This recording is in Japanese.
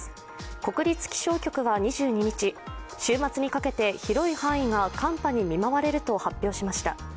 国立気象局は２２日週末にかけて広い範囲が寒波に見舞われると発表しました。